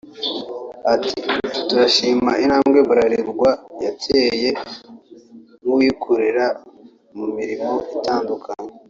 Ati “Turashima intambwe Bralirwa yateye nk’uwikorera mu mirimo itandukanye